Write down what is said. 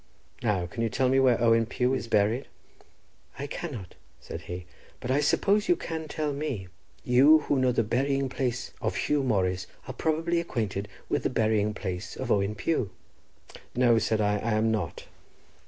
"Now can you tell me where Owen Pugh is buried?" "I cannot," said he; "but I suppose you can tell me; you, who know the burying place of Huw Morris, are probably acquainted with the burying place of Owen Pugh." "No," said I, "I am not.